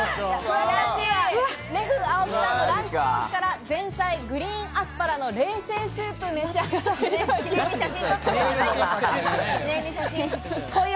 レフアオキさんのランチコースから前菜、グリーンアスパラの冷製スープ、お召し上がりください。